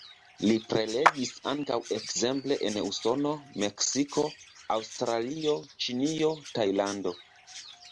Li prelegis ankaŭ ekzemple en Usono, Meksiko, Aŭstralio, Ĉinio, Tajlando.